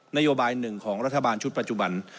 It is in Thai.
นโยบายหนึ่งของรัฐบาลชุดปัจจุบัน